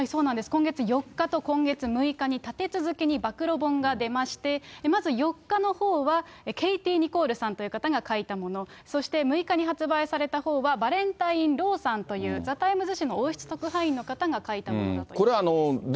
今月４日と今月６日に立て続けに暴露本が出まして、まず４日のほうはケイティ・ニコールさんという方が書いたもの、そして６日に発売されたほうはバレンタイン・ロウさんというザ・タイムズ紙の王室特派員の方が書いたものだということです。